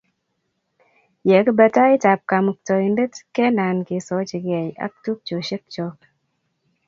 Ye kibe taitab Kamuktaindet kenaan kesochikei ak tupchoshechok